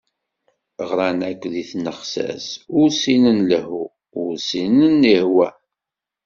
Ɣran akk deg tnexsas, ur ssinen lehhu ur ssinen ihwah.